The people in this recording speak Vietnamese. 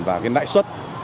và nãi xuất